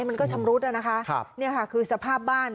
มันก็ชำรุดอะนะคะนี่ค่ะคือสภาพบ้าน